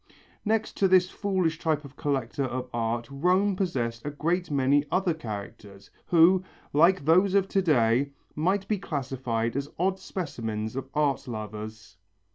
Next to this foolish type of collector of art Rome possessed a great many other characters, who, like those of to day, might be classified as odd specimens of art lovers.